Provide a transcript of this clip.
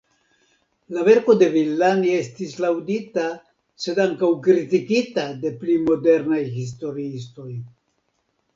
La verko de Villani estis laŭdita, sed ankaŭ kritikita de pli modernaj historiistoj.